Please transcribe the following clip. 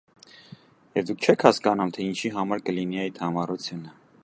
- Եվ դուք չե՞ք հասկանում, թե ինչի համար կլինի այդ համառությունը: